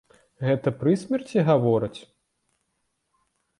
Гэта пры смерці гавораць?